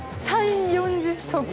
３、４０足。